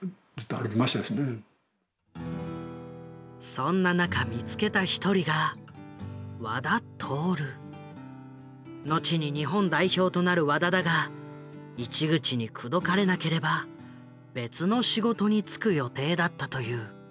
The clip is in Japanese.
そんな中見つけた一人が後に日本代表となる和田だが市口に口説かれなければ別の仕事に就く予定だったという。